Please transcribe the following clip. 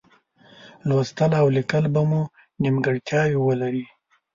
لوستل او لیکل به مو نیمګړتیاوې ولري.